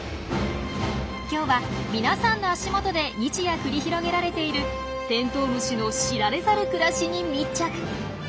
今日はみなさんの足元で日夜繰り広げられているテントウムシの知られざる暮らしに密着！